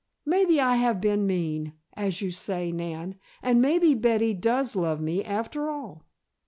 Maybe I have been mean, as you say, Nan, and maybe Betty does love me, after all."